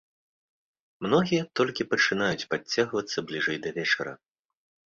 Многія толькі пачынаюць падцягвацца бліжэй да вечара.